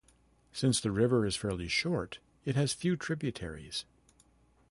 Since the river is fairly short, it has few tributaries.